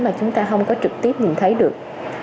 mà chúng ta không có trực tiếp nhìn thấy được